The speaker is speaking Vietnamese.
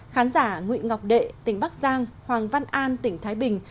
khán giả nguyễn ngọc đệ tỉnh bắc giang hoàng văn an tỉnh thái bình